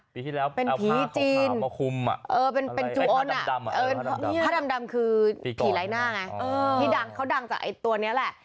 ปีที่แล้วเอาผ้าขาวมาคุมอ่ะภาคดำดำอ่ะภาคดำดำคือผีไร้หน้าไงพี่ดังเขาดังจากตัวนี้แหละ